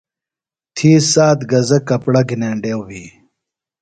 تھی سات گزہ کپڑہ گھِنینڈیوۡ بھی۔